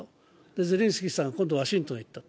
ゼレンスキーさんは今度はワシントンに行ったと。